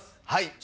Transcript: はい。